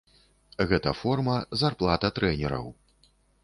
Гэта форма, зарплата трэнераў.